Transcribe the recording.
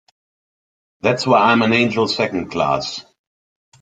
That's why I'm an angel Second Class.